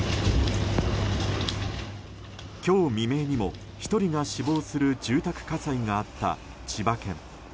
今日未明にも１人が死亡する住宅火災があった千葉県。